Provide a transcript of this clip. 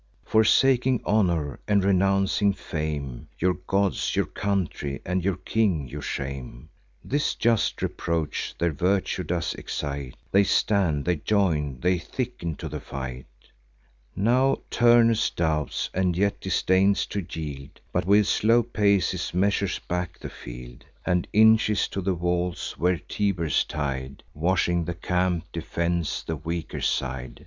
Forsaking honour, and renouncing fame, Your gods, your country, and your king you shame!" This just reproach their virtue does excite: They stand, they join, they thicken to the fight. Now Turnus doubts, and yet disdains to yield, But with slow paces measures back the field, And inches to the walls, where Tiber's tide, Washing the camp, defends the weaker side.